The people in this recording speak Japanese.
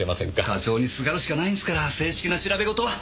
課長にすがるしかないんですから正式な調べ事は。